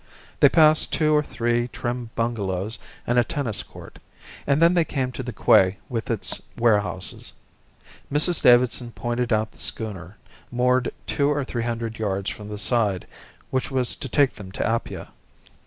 They passed two or three trim bungalows, and a tennis court, and then they came to the quay with its warehouses. Mrs Davidson pointed out the schooner, moored two or three hundred yards from the side, which was to take them to Apia.